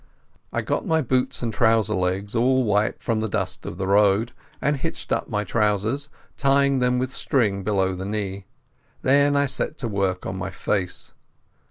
I got my boots and trouser legs all white from the dust of the road, and hitched up my trousers, tying them with string below the knee. Then I set to work on my face.